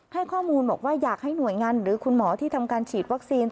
ให้ข้อมูลบอกว่าอยากให้หน่วยงานหรือคุณหมอที่ทำการฉีดวัคซีน